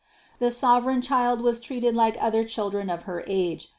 The sovereign Child was treated like other chil dren of her age.